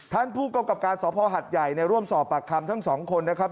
ท่านผู้กำกับการสภหัดใหญ่ร่วมสอบปากคำทั้งสองคนนะครับ